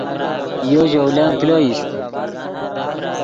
یو ژولن کلو ایست